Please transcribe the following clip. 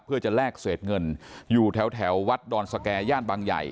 เพื่อจะแลกเศษเงินอยู่แถววัดดอนสแก่ย่านบางใหญ่